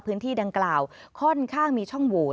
พื้นที่ดังกล่าวค่อนข้างมีช่องโหวต